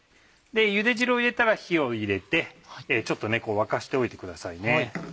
ゆで汁を入れたら火を入れてちょっとこう沸かしておいてくださいね。